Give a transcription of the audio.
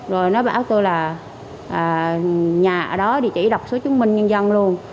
rồi nó báo tôi là nhà ở đó địa chỉ đọc số chứng minh nhân dân luôn